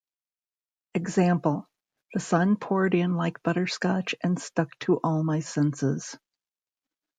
Example: The sun poured in like butterscotch and stuck to all my senses.